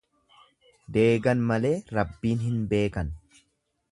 Deegan malee Rabbiin hin beekan.